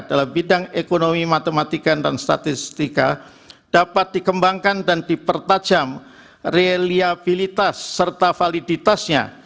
dalam bidang ekonomi matematika dan statistika dapat dikembangkan dan dipertajam reliabilitas serta validitasnya